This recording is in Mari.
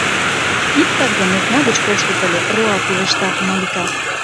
— Иктак гын, окна гыч коштыт ыле! — руал пелешта Малика.